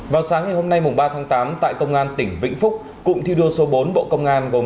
vào sáng ngày hôm nay ba tháng tám tại công an tỉnh vĩnh phúc cụng thi đua số bốn bộ công an gồm